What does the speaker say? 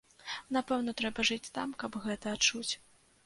Напэўна, трэба жыць там, каб гэта адчуць.